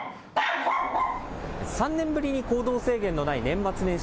３年ぶりに行動制限のない年末年始